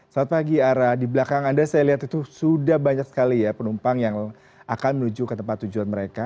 selamat pagi ara di belakang anda saya lihat itu sudah banyak sekali ya penumpang yang akan menuju ke tempat tujuan mereka